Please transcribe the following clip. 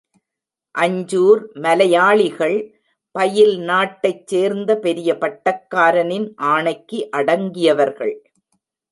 அஞ்சூர் மலையாளிகள் பயில் நாட்டைச் சேர்ந்த பெரிய பட்டக்காரனின் ஆணைக்கு அடங்கியவர்கள்.